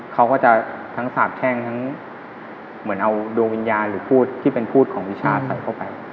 เขาก็จะทั้งสาบแช่งทั้งเหมือนเอาดวงวิญญาณหรือพูดที่เป็นพูดของวิชาใส่เข้าไป